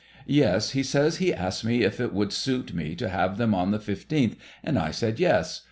Yes, he says he asked me if it would suit me to have them on the fifteenth, and I said yes.